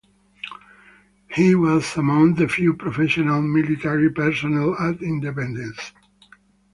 He was among the few professional military personnel at independence.